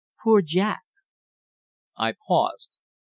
"Poor Jack!" I paused.